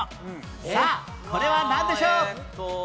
さあこれはなんでしょう？